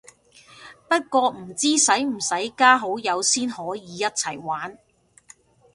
不過唔知使唔使加好友先可以一齊玩